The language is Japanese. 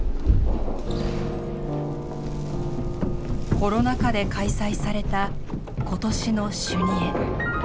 コロナ禍で開催された今年の修二会。